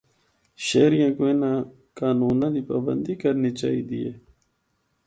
شہریاں کو اِناں قانوناں دی پابندی کرنی چاہی دی ہے۔